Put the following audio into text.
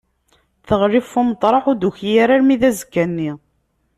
Teɣli ɣef umeṭreḥ ur d-tuki ara armi d azekka-nni.